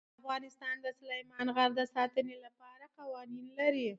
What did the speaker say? افغانستان د سلیمان غر د ساتنې لپاره قوانین لري.